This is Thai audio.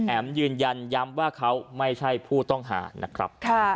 ยืนยันย้ำว่าเขาไม่ใช่ผู้ต้องหานะครับ